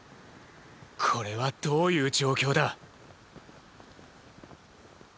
これはどういう状況だ？